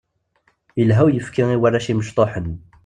Ilha uyefki i warrac imecṭuḥen.